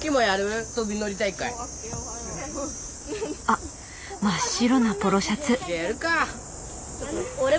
あっ真っ白なポロシャツ。